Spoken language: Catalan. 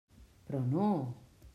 Però no!